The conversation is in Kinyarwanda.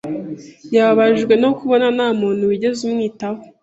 Yababajwe no kubona nta muntu wigeze amwitaho.